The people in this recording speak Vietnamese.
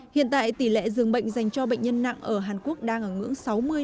hiện tại tỷ lệ dường bệnh dành cho bệnh nhân nặng ở hàn quốc đang ở ngưỡng sáu mươi